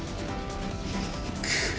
くっ！